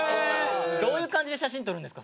どういう感じで写真撮るんですか？